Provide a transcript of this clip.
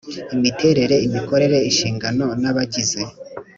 Imiterere imikorere inshingano n abagize